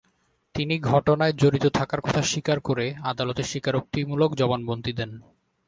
তিনি ঘটনায় জড়িত থাকার কথা স্বীকার করে আদালতে স্বীকারোক্তিমূলক জবানবন্দি দেন।